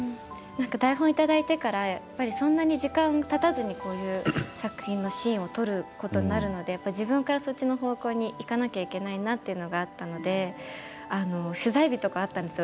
台本をいただいてからそんなに時間たたずにこういう作品のシーンを撮ることになるので自分からそっちの方向にいかなきゃいけないなというのがあったので取材日とかあったんですよ